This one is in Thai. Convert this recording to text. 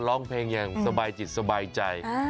ร้องเพลงอย่างสบายจิตสบายใจ